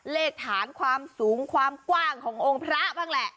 เลขฐานความสูงความกว้างขององค์พระบ้างแหละ